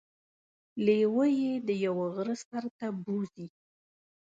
لیوه يې د یوه غره سر ته بوځي.